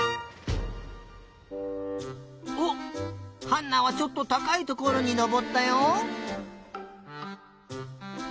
おっハンナはちょっとたかいところにのぼったよ。